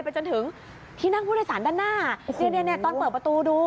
ไปจนถึงที่นั่งผู้โดยสารด้านหน้าเนี่ยเนี่ยเนี่ยตอนเปิดประตูดู